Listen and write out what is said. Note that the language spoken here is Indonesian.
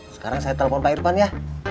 sekarang saya telepon pak irfan ya